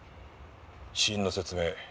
死因の説明